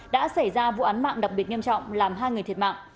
đã xảy ra vụ án mạng đặc biệt nghiêm trọng làm hai người thiệt mạng